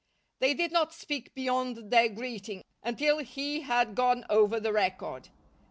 They did not speak beyond their greeting, until he had gone over the record.